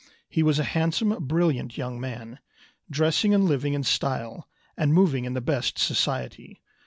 He was a handsome, brilliant young man, dressing and living in style, and moving in the best society.